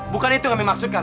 bukannya itu kami maksudkan